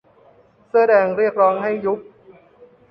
เสื้อแดงเรียกร้องให้ยุบ